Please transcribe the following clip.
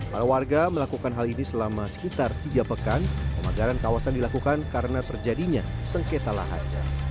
para warga melakukan hal ini selama sekitar tiga pekan pemagaran kawasan dilakukan karena terjadinya sengketa lahan